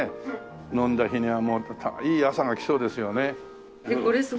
飲んだ日にはいい朝が来そうですよね。